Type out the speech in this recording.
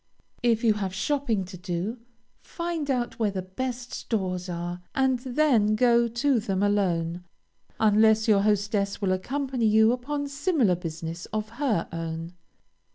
If you have shopping to do, find out where the best stores are, and then go to them alone, unless your hostess will accompany you upon similar business of her own.